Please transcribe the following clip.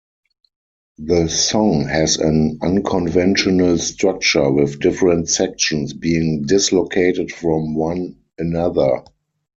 The song has an unconventional structure with different sections being dislocated from one another.